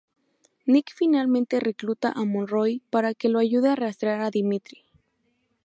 Nick finalmente recluta a Monroe para que lo ayude a rastrear a Dimitri.